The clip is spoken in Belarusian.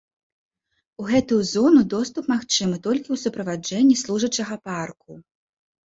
У гэтую зону доступ магчымы толькі ў суправаджэнні служачага парку.